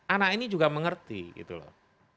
anak ini juga mengerti gitu loh